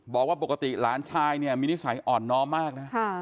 บอกว่าปกติหลานชายเนี่ยมีนิสัยอ่อนน้อมมากนะ